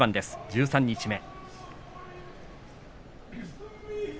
十三日目。